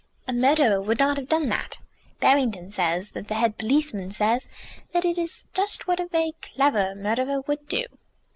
"A murderer would not have done that." "Barrington says that the head policeman says that it is just what a very clever murderer would do."